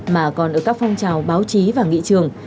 mà còn ở các phong trào báo chí và nghị trường